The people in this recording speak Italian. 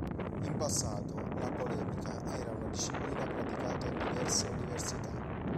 In passato, la polemica era una disciplina praticata in diverse università.